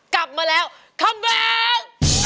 กลับมาแล้วคำแรก